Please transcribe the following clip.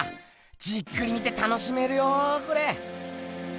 じっくり見て楽しめるよこれ。